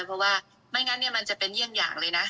เพราะว่าไม่งั้นเนี่ยมันจะเป็นเยี่ยงอย่างเลยนะ